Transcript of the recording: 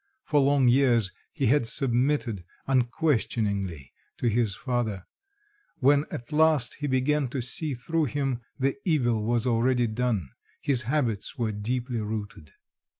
For long years he had submitted unquestioningly to his father; when at last he began to see through him, the evil was already done, his habits were deeply rooted.